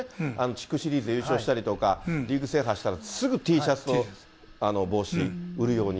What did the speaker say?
地区シリーズ優勝したりとか、リーグ制覇したらすぐＴシャツと帽子、売るように。